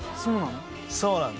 そうなの？